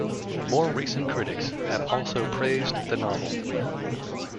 More recent critics have also praised the novel.